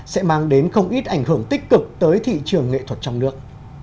sẽ mang đến không ít ảnh hưởng tích cực tới thị trường nghệ thuật trong nước